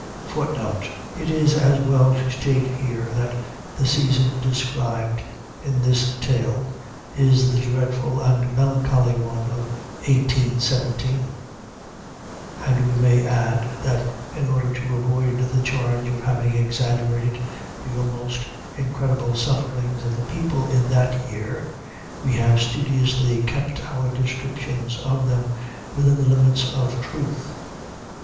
It is as well to state here that the season described in this tale is the dreadful and melancholy one of 1817; and we may add, that in order to avoid the charge of having exaggerated the almost incredible sufferings of the people in that year, we have studiously kept our descriptions of them within the limits of truth.